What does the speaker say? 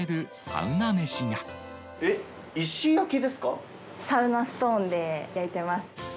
サウナストーンで焼いてます。